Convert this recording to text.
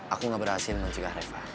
aku gak berhasil mencegah reva